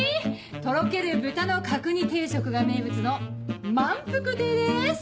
とろける豚の角煮定食が名物の万福亭です。